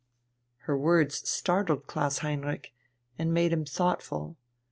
Her words startled Klaus Heinrich, and made him thoughtful.